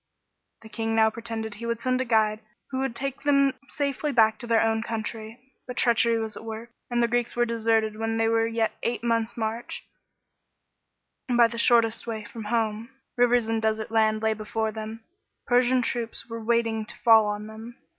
The king now pretended he would send a guide who would take them safely back to their own country ; but treachery was at work, and the Greeks were deserted when they were yet eight months' march, by the shortest way from home. Rivers and desert land lay before them ; Persian troops were waiting to fall on them.